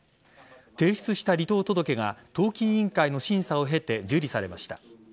提出した離党届が党紀委員会の審査を経て受理されました。